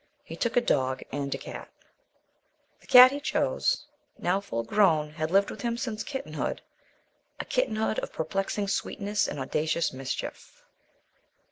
He took a dog and a cat. The cat he chose, now full grown, had lived with him since kittenhood, a kittenhood of perplexing sweetness and audacious mischief.